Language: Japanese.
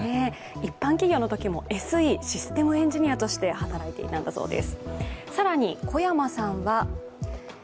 一般企業の時もＳＥ＝システムエンジニアとして働いていたんだそうです。